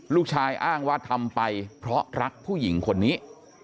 อ้างว่าทำไปเพราะรักผู้หญิงคนนี้